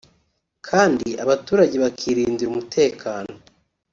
kandi abaturage bakirindira umutekano